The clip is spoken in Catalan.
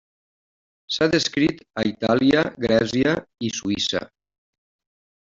S'ha descrit a Itàlia, Grècia i Suïssa.